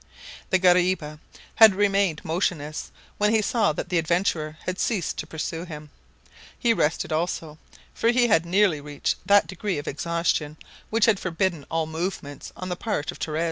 The guariba had remained motionless when he saw that the adventurer had ceased to pursue him. He rested also, for he had nearly reached that degree of exhaustion which had forbidden all movement on the part of Torres.